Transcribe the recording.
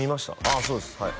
ああそうですはい